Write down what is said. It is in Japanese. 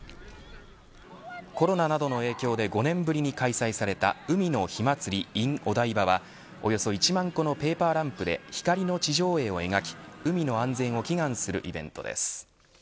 コロナなどの影響で５年ぶりに開催された海の灯まつりｉｎお台場はおよそ１万個のペーパーランプで光の地上絵を描き海の安全を祈願するイベントです。